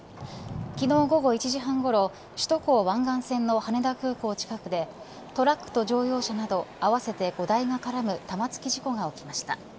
昨日午後１時半ごろ首都高湾岸線の羽田空港近くでトラックと乗用車など合わせて５台が絡む玉突き事故が起きました。